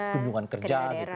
kunjungan kerja ke daerah